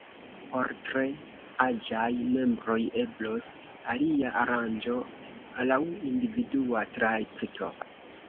Por tre aĝaj membroj, eblos alia aranĝo laŭ individua trakto.